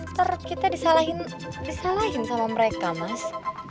ntar kita disalahin disalahin sama mereka mas